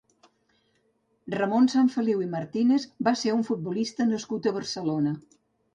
Ramon Sanfeliu i Martínez va ser un futbolista nascut a Barcelona.